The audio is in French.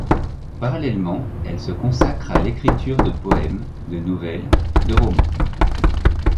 Parallèlement, elle se consacre à l'écriture de poèmes, de nouvelles, de romans.